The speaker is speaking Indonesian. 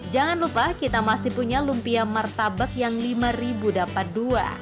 jangan lupa kita masih punya lumpia martabak yang lima ribu dapat dua